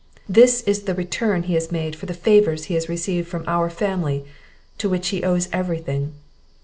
This is the return he has made for the favours he has received from our family, to which he owes every thing!"